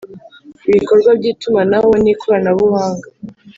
ibikorwa by itumanaho ni koranabuhanga